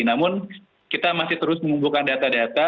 namun kita masih terus mengumpulkan data data